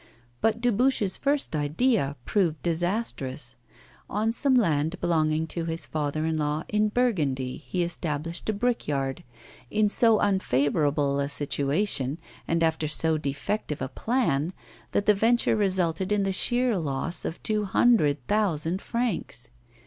But Dubuche's first idea proved disastrous; on some land belonging to his father in law in Burgundy he established a brickyard in so unfavourable a situation, and after so defective a plan, that the venture resulted in the sheer loss of two hundred thousand francs.